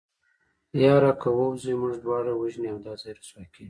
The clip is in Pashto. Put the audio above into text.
يره که ووځې موږ دواړه وژني دا ځای رسوا کېږي.